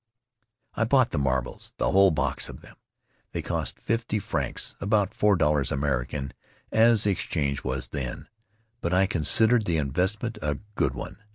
I bought the marbles — the whole box of them. They cost fifty francs, about four dollars American, as the exchange was then, but I considered the invest ment a good one.